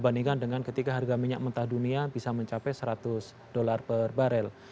dibandingkan dengan ketika harga minyak mentah dunia bisa mencapai seratus usd per barrel